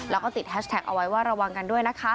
แล้วก็ติดแฮชแท็กเอาไว้ว่าระวังกันด้วยนะคะ